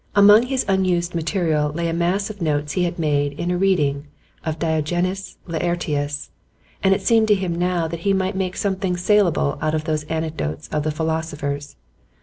Among his unused material lay a mass of notes he had made in a reading of Diogenes Laertius, and it seemed to him now that he might make something salable out of these anecdotes of the philosophers.